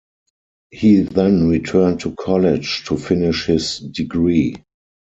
He then returned to college to finish his degree.